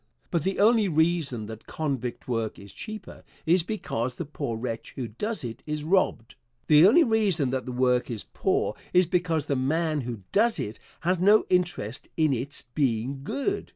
But the only reason that convict work is cheaper is because the poor wretch who does it is robbed. The only reason that the work is poor is because the man who does it has no interest in its being good.